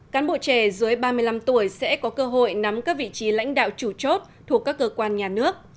cán bộ trẻ dưới ba mươi năm tuổi sẽ có cơ hội nắm các vị trí lãnh đạo chủ chốt thuộc các cơ quan nhà nước